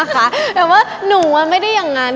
เลยใช่ปะคะแบบว่าหนูอะไม่ได้อย่างนั้น